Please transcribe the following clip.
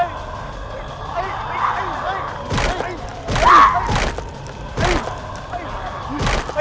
สงสัยจุดอ่อนอยู่ที่หัววะ